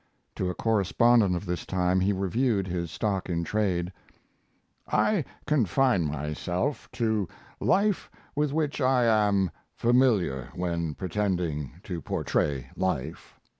To a correspondent of this time he reviewed his stock in trade ... I confine myself to life with which I am familiar when pretending to portray life.